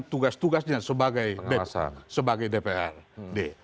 tugas tugasnya sebagai dprd